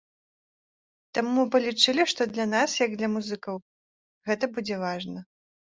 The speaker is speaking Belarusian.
Таму мы палічылі, што для нас, як для музыкаў, гэта будзе важна.